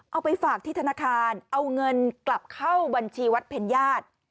เอาไปฝากที่ธนาคารเอาเงินกลับเข้าบัญชีวัดเพ็ญญาติ